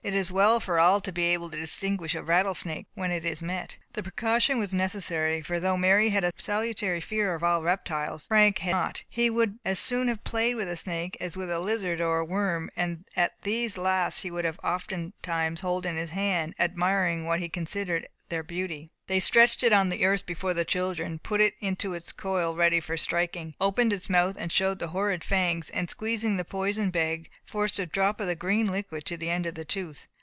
It is well for all to be able to distinguish a rattle snake when it is met." The precaution was necessary. For though Mary had a salutary fear of all reptiles, Frank had not; he would as soon have played with a snake, as with a lizard or a worm; and these last he would oftentimes hold in his hand, admiring what he considered their beauty. They stretched it on the earth before the children; put it into its coil ready for striking; opened its mouth; showed the horrid fangs; and squeezing the poison bag, forced a drop of the green liquid to the end of the tooth.